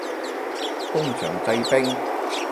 工場製冰